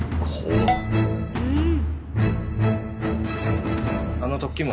うん。